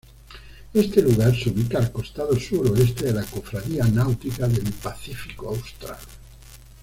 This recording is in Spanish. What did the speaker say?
Este lugar se ubica al costado suroeste de la Cofradía Náutica del Pacífico Austral.